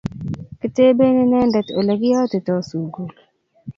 Kitebee inenendet olegiotitoi sugul